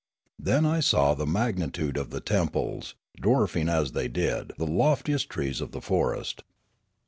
Then I saw the magnitude of the temples, dwarfing as tiiey did the loftiest trees of the forest.